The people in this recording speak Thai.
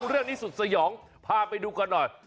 เรื่องนี้สุดสยองพาไปดูกันหน่อย